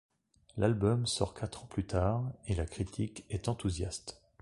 L'album sort quatre ans plus tard, et la critique est enthousiaste.